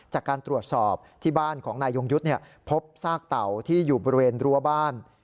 จากการตรวจสอบที่บ้านของนายยงยุทธ์พบซากเต่าที่อยู่บริเวณรั้วบ้าน